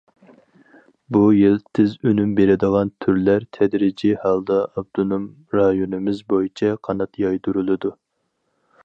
بۇ يىل،« تېز ئۈنۈم بېرىدىغان» تۈرلەر تەدرىجىي ھالدا ئاپتونوم رايونىمىز بويىچە قانات يايدۇرۇلىدۇ.